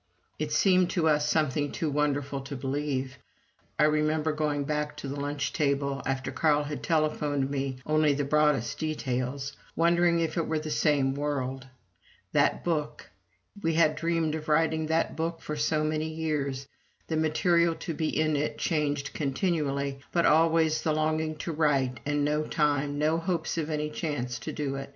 It seemed to us something too wonderful to believe. I remember going back to that lunch table, after Carl had telephoned me only the broadest details, wondering if it were the same world. That Book we had dreamed of writing that book for so many years the material to be in it changed continually, but always the longing to write, and no time, no hopes of any chance to do it.